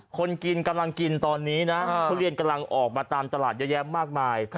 คนกินกำลังกินตอนนี้นะทุเรียนกำลังออกมาตามตลาดเยอะแยะมากมาย